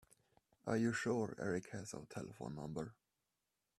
Are you sure Erik has our telephone number?